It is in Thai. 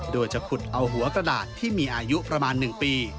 โดยจะขุดเอาหัวกระดาษที่มีอายุประมาณ๑ปี